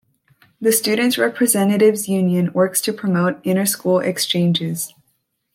The Students' Representatives' Union works to promote interschool exchanges.